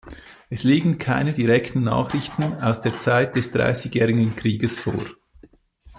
Es liegen keine direkten Nachrichten aus der Zeit des Dreißigjährigen Krieges vor.